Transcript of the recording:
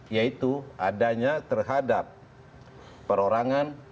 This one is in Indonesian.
yaitu adanya terhadap perorangan